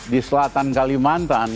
di selatan kalimantan